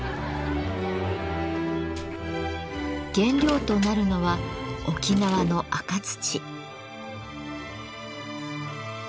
原料となるのは沖縄の赤土。